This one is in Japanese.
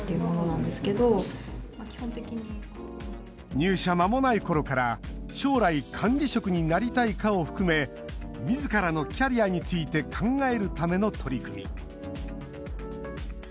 入社まもないころから将来、管理職になりたいかを含めみずからのキャリアについて考えるための取り組み。